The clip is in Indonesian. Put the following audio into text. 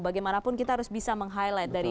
bagaimanapun kita harus bisa meng highlight dari